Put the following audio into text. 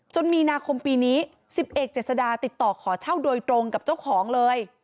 มีนาคมปีนี้๑๐เอกเจษดาติดต่อขอเช่าโดยตรงกับเจ้าของเลย